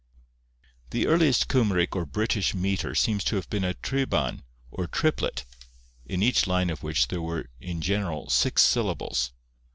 The earliest Cymric or British metre seems to have been a triban or triplet, in each line of which there were in general six syllables.